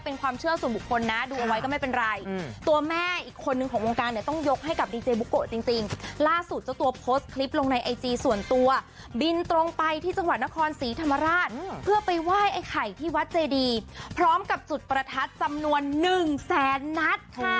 เพื่อไปไหว้ไอ้ไข่ที่วัดเจดีพร้อมกับจุดประทัดสำนวนหนึ่งแสนนัดค่ะ